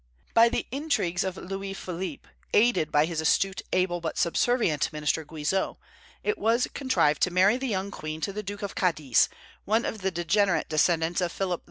By the intrigues of Louis Philippe, aided by his astute, able, but subservient minister Guizot, it was contrived to marry the young queen to the Duke of Cadiz, one of the degenerate descendants of Philip V.